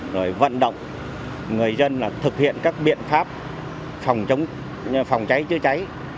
rồi vận động người dân thực hiện các biện pháp phòng chống cháy chữa cháy